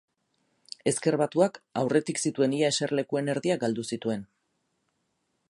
Ezker Batuak aurretik zituen ia eserlekuen erdiak galdu zituen.